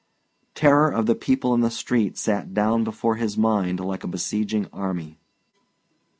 Terror of the people in the street sat down before his mind like a besieging army.